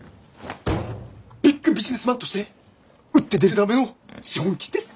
ビッグビジネスマンとして打って出るための資本金です！